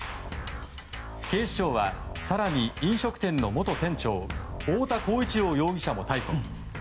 警視庁は更に飲食店の元店長太田浩一朗容疑者も逮捕。